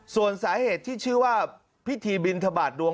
ส่วนสาเหตุที่ชื่อว่าพิธีบินทบาทดวง